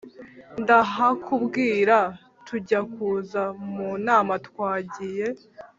ndahakubwira; tujya kuza mu nama twagiye